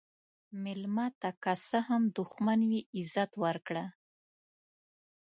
مېلمه ته که څه هم دښمن وي، عزت ورکړه.